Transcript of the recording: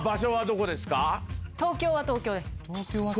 東京は東京です。